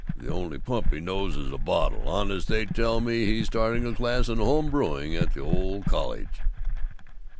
The only pump he knows is a bottle! Honest, they tell me he's starting a class in home brewing at the ole college!"